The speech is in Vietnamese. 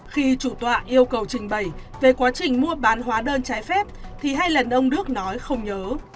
khi chủ tọa yêu cầu trình bày về quá trình mua bán hóa đơn trái phép thì hai lần ông đức nói không nhớ